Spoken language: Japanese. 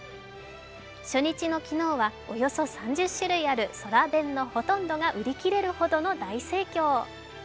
初日の昨日は、およそ３０種類ある空弁のほとんどが売り切れるほどの大盛況。